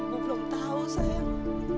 bu belum tahu sayang